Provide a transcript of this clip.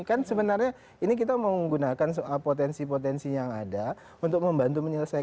kan sebenarnya ini kita menggunakan potensi potensi yang ada untuk membantu menyelesaikan